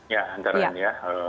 ya antara ini ya